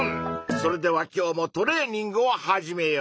それでは今日もトレーニングを始めよう！